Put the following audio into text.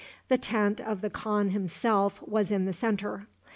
The tent of the khan himself was in the centre.